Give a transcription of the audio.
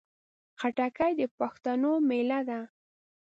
خټکی د پښتنو مېله ده.